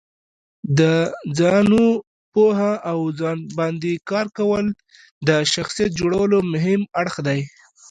د ځانو پوهه او ځان باندې کار کول د شخصیت جوړولو مهم اړخ دی.